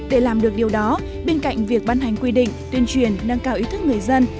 để làm được điều đó bên cạnh việc ban hành quy định tuyên truyền nâng cao ý thức người dân